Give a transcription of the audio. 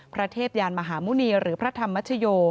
เทพยานมหาหมุณีหรือพระธรรมชโย